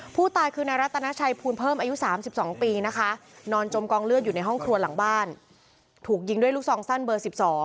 ผู้ตายคือนายรัตนาชัยภูลเพิ่มอายุ๓๒ปีนะคะนอนจมกองเลือดอยู่ในห้องครัวหลังบ้านถูกยิงด้วยลูกซองสั้นเบอร์๑๒